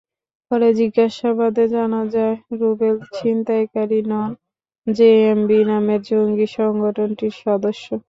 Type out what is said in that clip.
পরে জিজ্ঞাসাবাদে জানা যায়, রুবেল ছিনতাইকারী নন, জেএমবি নামের জঙ্গি সংগঠনটির সদস্য।